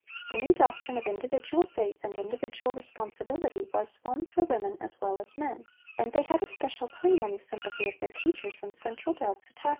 The new doctrine of individual faith and individual responsibility was one for women as well as men, and they had a special claim on the sympathy of their teachers when central doubts attacked them.